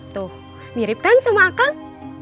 tuh mirip kan sama akang